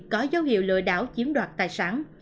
có dấu hiệu lừa đảo chiếm đoạt tài sản